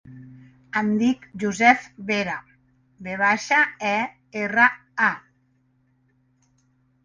Em dic Yousef Vera: ve baixa, e, erra, a.